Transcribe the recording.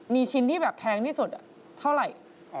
มีชิ้นที่แบบแพงที่สุดเท่าไหร่